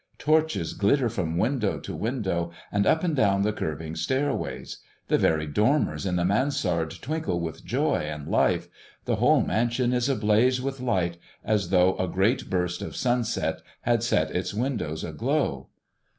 Torches glitter from window to window and up and down the curving stairways; the very dormers in the mansard twinkle with joy and life. The whole mansion is ablaze with light, as though a great burst of sunset had set its windows aglow.